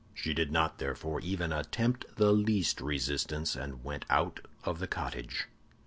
She did not, therefore, even attempt the least resistance, and went out of the cottage.